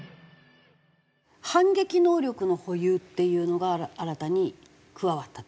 反撃能力の保有っていうのが新たに加わったと。